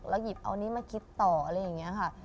หยิบเอานี้มาคิดต่ออะไรอย่างนี้ค่ะ